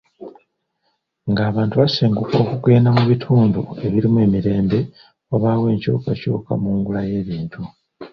Ng'abantu basenguka okugenda mu bitundu ebirimu emirembe wabaawo enkyukakyuka mu ngula y'ebintu.